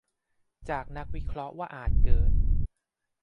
จากนักวิเคราะห์ว่าอาจเกิด